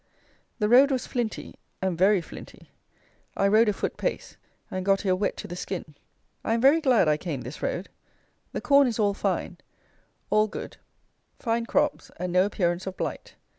The road was flinty, and very flinty. I rode a foot pace; and got here wet to the skin. I am very glad I came this road. The corn is all fine; all good; fine crops, and no appearance of blight.